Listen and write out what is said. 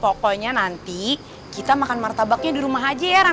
pokoknya nanti kita makan martabaknya di rumah aja ya